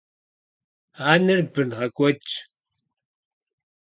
Анэр бын гъэкӀуэдщ.